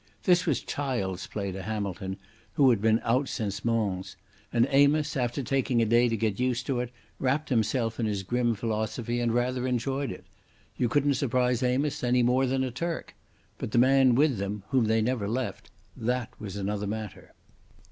This was child's play to Hamilton, who had been out since Mons; and Amos, after taking a day to get used to it, wrapped himself in his grim philosophy and rather enjoyed it. You couldn't surprise Amos any more than a Turk. But the man with them, whom they never left—that was another matter.